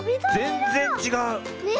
ぜんぜんちがう。ね！